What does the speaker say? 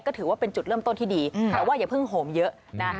ก็ถือว่าเป็นจุดเริ่มต้นที่ดีแต่ว่าอย่าเพิ่งโหมเยอะนะ